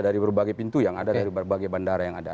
dari berbagai pintu yang ada dari berbagai bandara yang ada